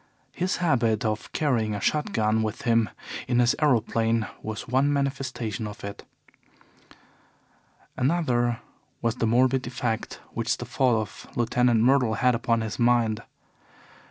His habit of carrying a shot gun with him in his aeroplane was one manifestation of it. Another was the morbid effect which the fall of Lieutenant Myrtle had upon his mind.